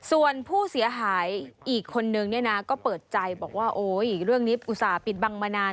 ส่วนผู้เสียหายอีกคนนึงเนี่ยนะก็เปิดใจบอกว่าโอ้ยเรื่องนี้อุตส่าหปิดบังมานาน